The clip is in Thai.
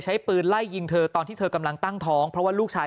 ใช้ปืนไล่ยิงเธอตอนที่เธอกำลังตั้งท้องเพราะว่าลูกชาย